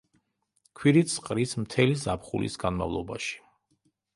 ქვირითს ყრის მთელი ზაფხულის განმავლობაში.